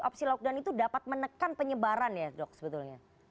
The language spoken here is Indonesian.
opsi lockdown itu dapat menekan penyebaran ya dok sebetulnya